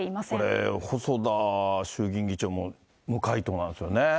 これ、細田衆議院議長も無回答なんですよね。